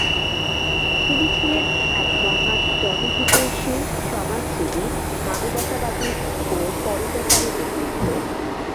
তিনি ছিলেন এক মহান জনহিতৈষী, সমাজসেবী, মানবতাবাদী ও পরোপকারী ব্যক্তিত্ব।